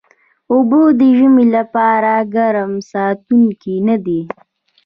اوبه د ژمي لپاره ګرم ساتونکي نه دي